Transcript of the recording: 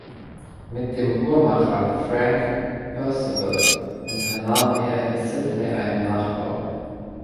Mit dem Uhrmacher Frank Percival unternahm er in Sydney einen Nachbau.